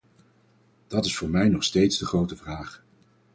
Dat is voor mij nog steeds de grote vraag.